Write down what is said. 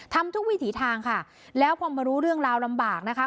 ทำทุกวิถีทางค่ะแล้วพอมารู้เรื่องราวลำบากนะคะ